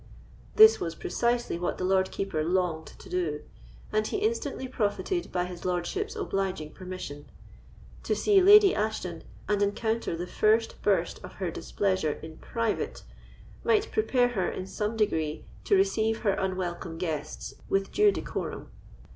This was precisely what the Lord Keeper longed to do; and he instantly profited by his lordship's obliging permission. To see Lady Ashton, and encounter the first burst of her displeasure in private, might prepare her, in some degree, to receive her unwelcome guests with due decorum.